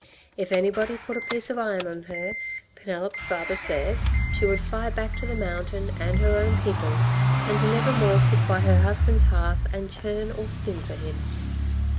If anybody put a piece of iron on her. Penelop's father said, she would fly back to the mountain and her own people, and never more sit by her husband's hearth and churn or spin for him.